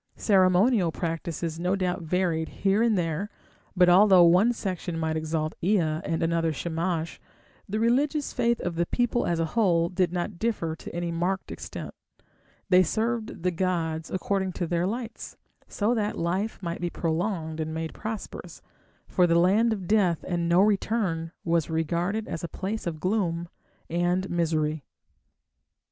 Ceremonial practices no doubt varied here and there, but although one section might exalt Ea and another Shamash, the religious faith of the people as a whole did not differ to any marked extent; they served the gods according to their lights, so that life might be prolonged and made prosperous, for the land of death and "no return" was regarded as a place of gloom and misery.